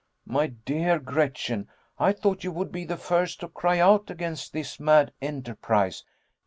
"My dear Gretchen, I thought you would be the first to cry out against this mad enterprise."